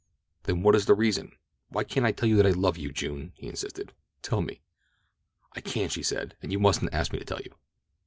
"Then what is the reason? Why can't I tell you that I love you, June?" he insisted. "Tell me." "I can't," she said, "and you mustn't ask me to tell you."